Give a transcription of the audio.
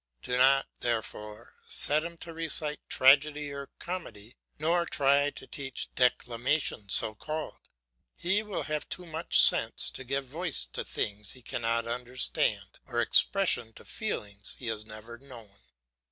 Do not, therefore, set him to recite tragedy or comedy, nor try to teach declamation so called. He will have too much sense to give voice to things he cannot understand, or expression to feelings he has never known.